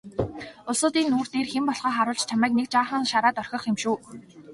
Улсуудын нүүр дээр хэн болохоо харуулж чамайг нэг жаахан шараад орхих юм шүү.